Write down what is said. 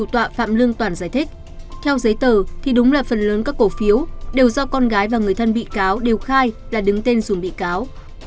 theo giấy tờ thì đúng là phần lớn các cổ phiếu đều do con gái và người thân bị cáo đều khai là đứng tên dùng bị cáo